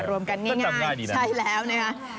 รวมกันง่ายใช่แล้วนะครับ